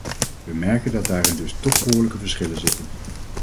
We merken dat daarin dus toch behoorlijke verschillen zitten.